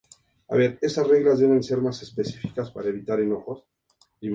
El testimonio del manuscrito Sinaítico recibió gran peso.